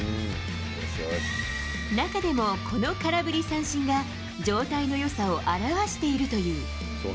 中でも、この空振り三振が状態のよさを表しているという。